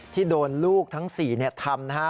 ที่โดนลูกทั้ง๔ทำนะฮะ